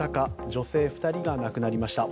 女性２人が亡くなりました。